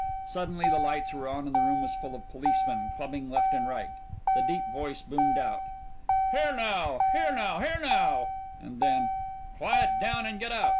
Suddenly the lights were on and the room was full of policemen, clubbing left and right. The deep voice boomed out: "Here now! Here now! Here now!" And then: "Quiet down and get out!